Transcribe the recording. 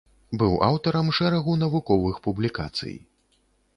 Быў аўтарам шэрагу навуковых публікацый.